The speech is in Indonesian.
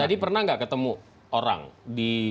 mas adi pernah gak ketemu orang di